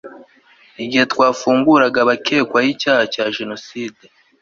igihe twafunguraga abakekwagaho icyaha cya jenoside